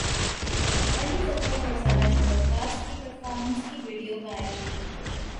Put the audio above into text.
علی ظفر اور زارا نور عباس کی پرفارمنس کی ویڈیو وائرل